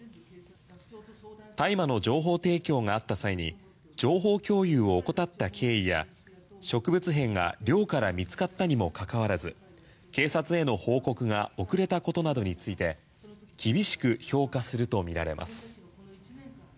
大麻の情報提供があった際に情報共有を怠った経緯や植物片が寮から見つかったにもかかわらず警察への報告が遅れたことなどについて厳しく評価するとみられます。